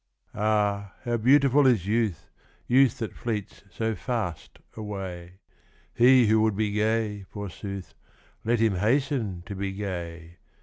AH, how beautiful is youth, Youth that fleets so fast away 1 He who would be gay, forsooth. Let him hasten to be gay